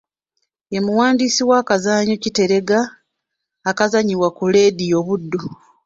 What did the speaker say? Ye muwandiisi w’akazannyo Kiteregga akazannyibwa ku leediyo Buddu.